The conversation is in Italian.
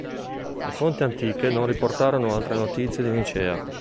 Le fonti antiche non riportano altre notizie di Nicea.